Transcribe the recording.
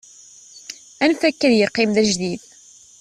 anef akka ad yeqqim d ajdid